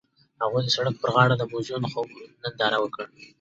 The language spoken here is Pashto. هغوی د سړک پر غاړه د موزون خوب ننداره وکړه.